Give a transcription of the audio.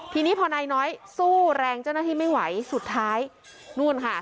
ทีนี้พอนายน้อยสู้แรงเจ้าหน้าที่ไม่ไหวสุดท้ายนู่นค่ะ